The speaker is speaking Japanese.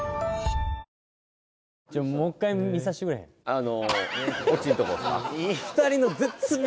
あのオチんとこっすか？